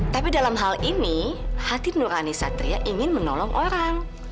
tapi dalam hal ini hati nurani satria ingin menolong orang